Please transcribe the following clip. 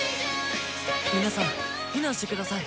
皆さん避難してください。